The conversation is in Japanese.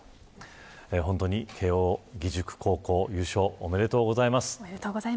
本当に、慶応義塾高校優勝おめでとうございます。